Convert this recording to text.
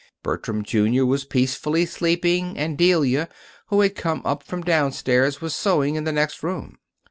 Bertram, Jr., was peacefully sleeping, and Delia, who had come up from downstairs, was sewing in the next room.